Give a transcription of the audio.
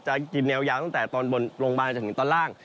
จะกินแนวยาวตั้งแต่ตอนบนลงมาจนถึงตอนล่าง